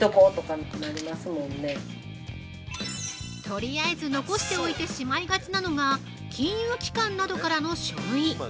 とりあえず残しておいてしまいがちなのが金融機関などからの書類。